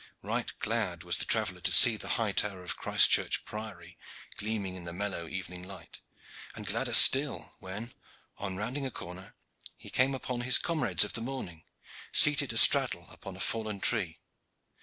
Right glad was the traveller to see the high tower of Christchurch Priory gleaming in the mellow evening light, and gladder still when, on rounding a corner, he came upon his comrades of the morning seated astraddle upon a fallen tree.